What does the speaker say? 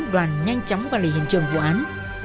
đoàn nhanh chóng vào lì hình trường vụ án